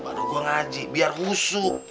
baru gua ngaji biar usuk